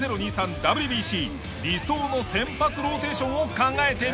ＷＢＣ理想の先発ローテーションを考えてみる事に。